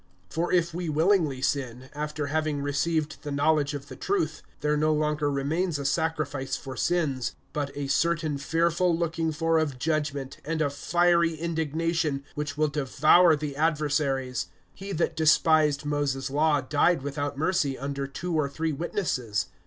(26)For if we willingly sin, after having received the knowledge of the truth, there no longer remains a sacrifice for sins, (27)but a certain fearful looking for of judgment, and a fiery indignation, which will devour the adversaries. (28)He that despised Moses' law died without mercy, under two or three witnesses.